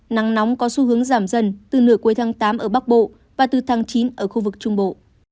nắng nóng có xu hướng giảm dần từ nửa cuối tháng tám ở bắc bộ và từ tháng chín ở khu vực trung bộ